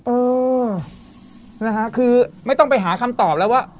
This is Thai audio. เออนะฮะคือไม่ต้องไปหาคำตอบแล้วว่า